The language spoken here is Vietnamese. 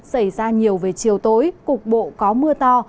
xảy ra nhiều về chiều tối cục bộ có mưa to